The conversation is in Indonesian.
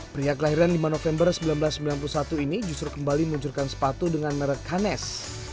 pria kelahiran lima november seribu sembilan ratus sembilan puluh satu ini justru kembali meluncurkan sepatu dengan merek kanes